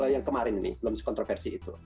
yang kemarin ini belum kontroversi itu